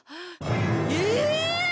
えっ！？